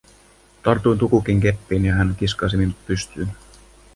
Tartuin Tukukin keppiin ja hän kiskaisi minut pystyyn.